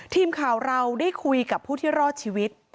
ทีมข่าวเราได้คุยกับผู้ที่รอดชีวิต